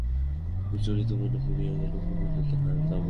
সুচরিতার মনে পড়িয়া গেল, কহিল, হাঁ, তা বটে।